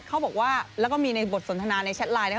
เขาบอกว่าแล้วก็มีในบทสนทนาในแชทไลน์นะคะ